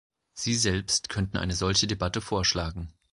Sie selbst könnten eine solche Debatte vorschlagen.